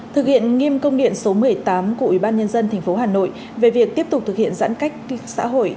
thực hiện nghiêm công điện số một mươi tám của ủy ban nhân dân tp hà nội về việc tiếp tục thực hiện giãn cách xã hội